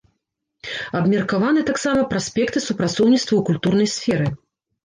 Абмеркаваны таксама праспекты супрацоўніцтва ў культурнай сферы.